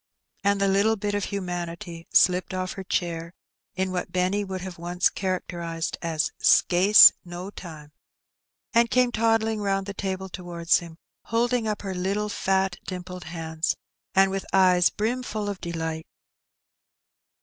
And the little bit of humanity slipped off her chair in what Benny would have once characterized as "sca'ce no time," and came toddling round the table towards him, holding up her little fat dimpled hands, and with eyes brimful of delight.